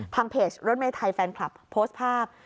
เพจรถเมไทยแฟนคลับโพสต์ภาพ